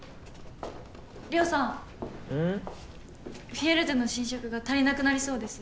フィエルテの新色が足りなくなりそうです